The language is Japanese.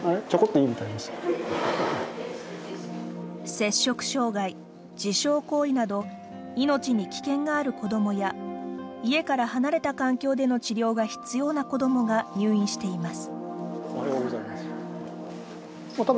摂食障害、自傷行為など命に危険がある子どもや家から離れた環境での治療が必要な子どもが入院しています。